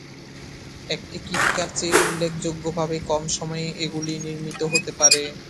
একটি "kit car" চেয়ে উল্লেখযোগ্যভাবে কম সময়ে এগুলি নির্মিত হতে পারে।